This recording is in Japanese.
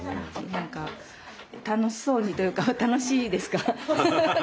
何か楽しそうにというか楽しいですか？